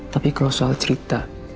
tapi kalau soal cerita